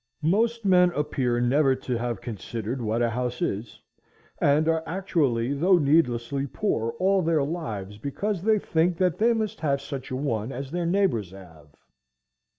Most men appear never to have considered what a house is, and are actually though needlessly poor all their lives because they think that they must have such a one as their neighbors have.